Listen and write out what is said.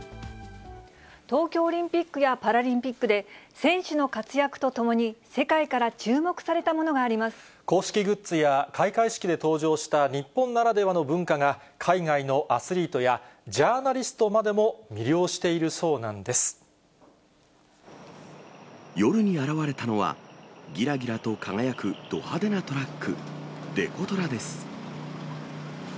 東京オリンピックやパラリンピックで、選手の活躍とともに、世界から注目されたものがありま公式グッズや、開会式で登場した日本ならではの文化が、海外のアスリートやジャーナリストまでも魅了しているそうなんで夜に現れたのは、ぎらぎらと輝くど派手なトラック、デコトラです。